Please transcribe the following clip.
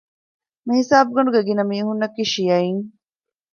މިހިސާބުގަނޑުގެ ގިނަ މީހުންނަކީ ޝިޔަޢީން